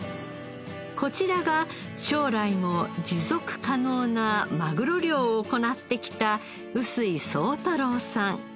こちらが将来も持続可能なマグロ漁を行ってきた臼井壯太朗さん。